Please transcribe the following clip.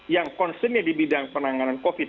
yang konsennya di bidang penanganan covid sembilan belas